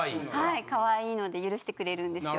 かわいいので許してくれるんですよ。